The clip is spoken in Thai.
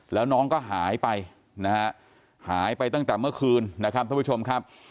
แล้วน้องก็หายไปนะฮะหายไปตั้งแต่เมื่อคืนนะครับท่านผู้ชมครับ